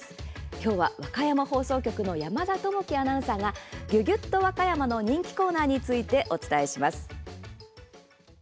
今日は、和歌山放送局の山田朋生アナウンサーが「ギュギュっと和歌山」の人気コーナーについてお伝えします。